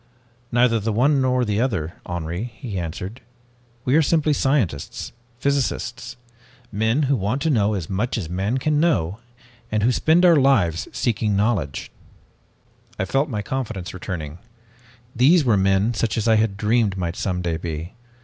"'Neither the one nor the other, Henri,' he answered. 'We are simply scientists, physicists men who want to know as much as man can know and who spend our lives in seeking knowledge.' "I felt my confidence returning. These were men such as I had dreamed might some day be.